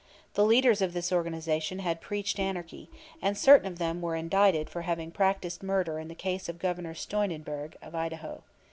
The leaders of this organization had preached anarchy, and certain of them were indicted for having practiced murder in the case of Governor Steunenberg, of Idaho.